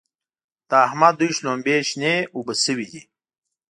د احمد دوی شلومبې شنې اوبه شوې دي.